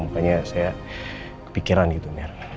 makanya saya kepikiran gitu